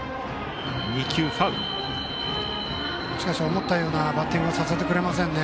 思ったようなバッティングをさせてくれませんね。